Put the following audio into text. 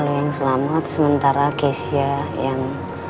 lo yang selamat sementara kezia yang